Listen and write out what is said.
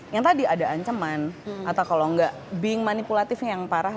yang tadi ada ancaman atau kalau enggak being manipulatifnya yang parah